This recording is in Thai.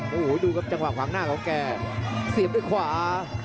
โอ้โหดูครับจังหวะขวางหน้าของแกเสียบด้วยขวา